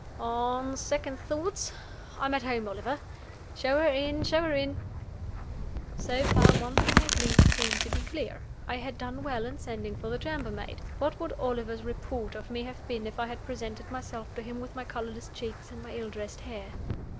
"On second thoughts, I am at home, Oliver. Show her in! show her in!" So far, one thing at least seemed to be clear. I had done well in sending for the chambermaid. What would Oliver's report of me have been if I had presented myself to him with my colorless cheeks and my ill dressed hair?